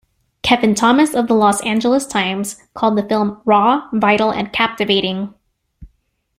Kevin Thomas of the "Los Angeles Times" called the film "raw, vital and captivating".